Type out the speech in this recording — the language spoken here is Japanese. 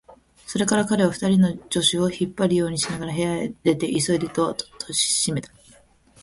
それから彼は、二人の助手を引っ張るようにしながら部屋から出て、急いでドアを閉めた。